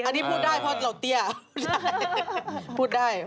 อันนี้พูดได้เพราะเราเตี้ยพูดได้